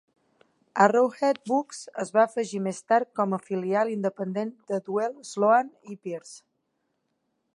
Arrowhead Books es va afegir més tard com a filial independent de Duell, Sloan i Pearce.